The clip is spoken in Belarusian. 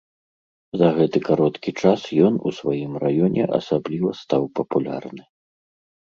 За гэты кароткі час ён у сваім раёне асабліва стаў папулярны.